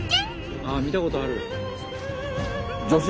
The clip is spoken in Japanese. ああ見たことある！